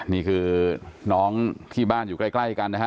นี่คือน้องที่บ้านอยู่ใกล้กันนะฮะ